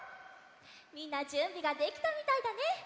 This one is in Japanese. みんなじゅんびができたみたいだね。